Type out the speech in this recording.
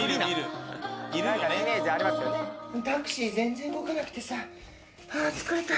タクシー全然動かなくてさはぁ疲れた！